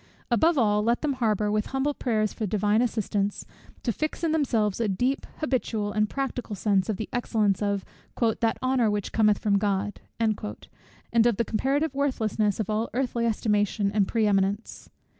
Above all, let them labour, with humble prayers for the Divine assistance, to fix in themselves a deep, habitual, and practical sense of the excellence of "that honour which cometh from God," and of the comparative worthlessness of all earthly estimation and pre eminence.